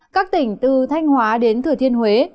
các tỉnh từ thanh hóa đến thừa thiên huế